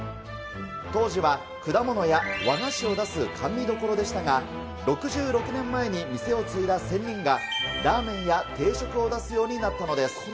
当時は果物や和菓子を出す甘味処でしたが、６６年前に店を継いだ仙人が、ラーメンや定食を出すようになったのです。